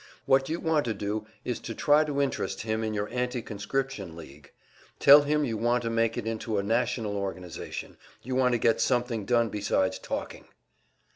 What you want to do is to try to interest him in your Anti conscription League. Tell him you want to make it into a national organization, you want to get something done besides talking."